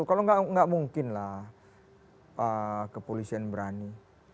kalau nggak mungkin lah kepolisian berani